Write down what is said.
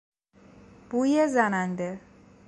بویزننده